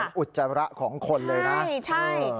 มันเป็นอุจจระของคนเลยแหร่ใช่